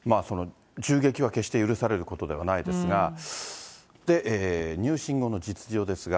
銃撃は決して許されることではないですが、入信後の実情ですが。